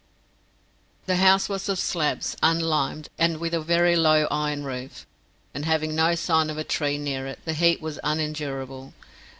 The house was of slabs, unlimed, and with very low iron roof, and having no sign of a tree near it, the heat was unendurable.